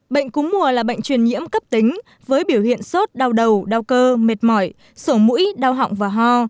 bệnh cúm mùa là bệnh truyền nhiễm cấp tính với biểu hiện sốt đau đầu đau cơ mệt mỏi sổ mũi đau họng và ho